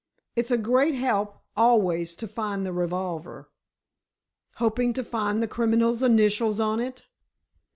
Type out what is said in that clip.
It's a great help, always, to find the revolver." "Hoping to find the criminal's initials on it?"